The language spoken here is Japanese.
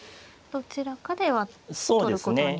どちらかでは取ることに。